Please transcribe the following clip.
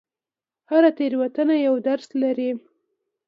هره تېروتنه یو درس لري.